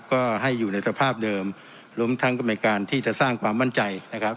ก็ให้อยู่ในสภาพเดิมรวมทั้งก็มีการที่จะสร้างความมั่นใจนะครับ